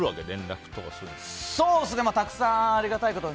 たくさんありがたいことに